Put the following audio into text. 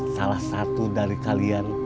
salah satu dari kalian